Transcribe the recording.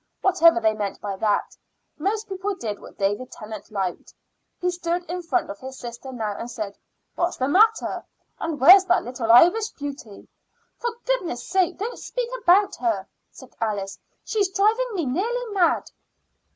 Whatever they meant by that, most people did what David Tennant liked. He stood in front of his sister now and said: "What's the matter? And where's the little Irish beauty?" "For goodness' sake don't speak about her," said Alice. "She's driving me nearly mad."